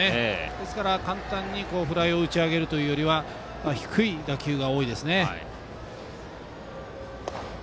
ですから、簡単にフライを打ち上げるというよりは低い打球が多いですね。